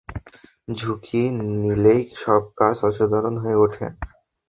ঝুঁকি নিলেই সব কাজ অসাধারণ হয়ে ওঠে।